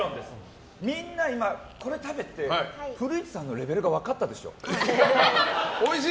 みんな今、これ食べて古市さんのレベルが分かったでしょ？